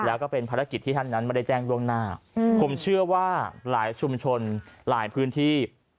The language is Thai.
แล้วก็เป็นภารกิจที่ท่านนั้นไม่ได้แจ้งล่วงหน้าผมเชื่อว่าหลายชุมชนหลายพื้นที่